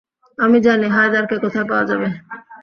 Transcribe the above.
আমি জানি হায়দারকে কোথায় পাওয়া যাবে।